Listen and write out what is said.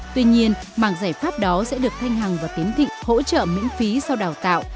tuy nhiên mảng giải pháp đó sẽ được thanh hằng và tiến thịnh hỗ trợ miễn phí sau đào tạo